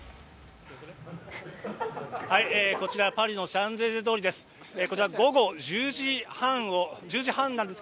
こちらパリのシャンゼリゼ通りです。